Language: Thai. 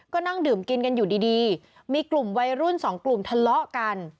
ก็นั่งดื่มกินกันอยู่ดีมีกลุ่มวัยรุ่นสองกลุ่มทะเลาะกัน